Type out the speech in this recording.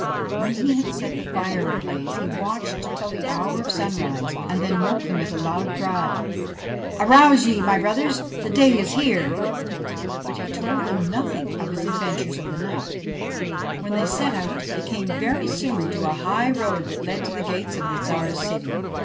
When he had set the fire in a blaze, he watched till the hour of sunrise, and then woke them with a loud cry :' Arouse ye, my brothers ; the day is here I ' But he told them nothing of his adventures of the night. 102 BASHTCHELIK When they set out they came very soon to a high road that led to the gates of the Tsar's city.